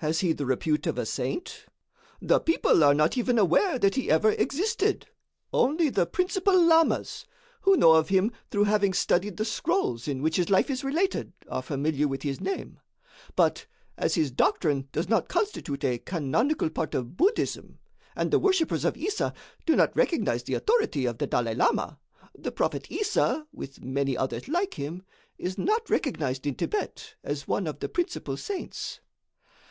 Has he the repute of a saint?" "The people are not even aware that he ever existed. Only the principal lamas, who know of him through having studied the scrolls in which his life is related, are familiar with his name; but, as his doctrine does not constitute a canonical part of Buddhism, and the worshippers of Issa do not recognize the authority of the Dalai Lama, the prophet Issa with many others like him is not recognized in Thibet as one of the principal saints."